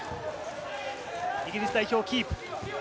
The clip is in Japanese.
イギリス代表キープ。